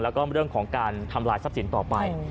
แล้วก็เรื่องของการทำลายทรัพย์สินต่อไป